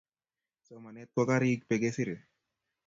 Somanet ko karik be kisirei